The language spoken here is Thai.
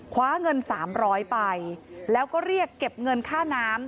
คว้าเงิน๓๐๐ไปแล้วก็เรียกเก็บเงินค่าน้ำ